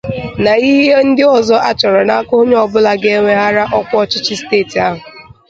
na ihe ndị ọzọ a chọrọ n'aka onye ọbụla ga-ewèghara ọkwa ọchịchị steeti ahụ.